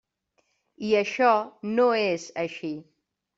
I això no és així.